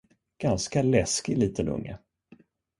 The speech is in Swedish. Ganska läskig liten unge.